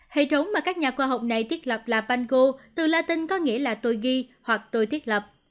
hệ thống mà các nhà khoa học này thiết lập là pango từ latin có nghĩa là tôi ghi hoặc tôi thiết lập